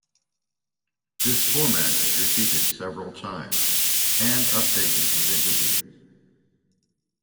This format is repeated several times and updated with interviews.